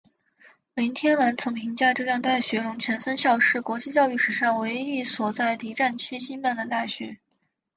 林天兰曾评价浙江大学龙泉分校是国际教育史上唯一一所在敌战区兴办的大学。